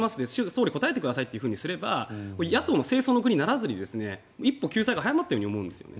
総理答えてくださいとすれば野党の政争の具にならずに一歩、救済が早まったような気がするんです。